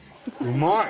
うまい！